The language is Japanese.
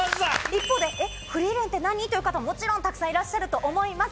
一方で『フリーレン』って何？という方ももちろんたくさんいらっしゃると思います。